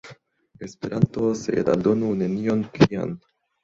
Esperanto, sed aldonu nenion plian.